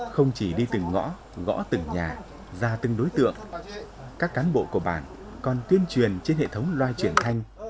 không chỉ đi từng ngõ gõ từng nhà ra từng đối tượng các cán bộ của bản còn tuyên truyền trên hệ thống loa truyền thanh